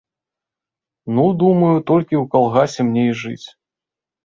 Ну, думаю, толькі ў калгасе мне і жыць.